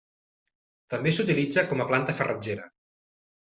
També s'utilitza com a planta farratgera.